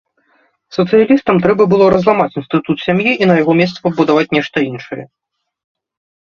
Сацыялістам трэба было разламаць інстытут сям'і і на яго месцы пабудаваць нешта іншае.